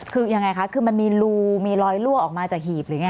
คือยังไงคะคือมันมีรูมีรอยลั่วออกมาจากหีบหรือไง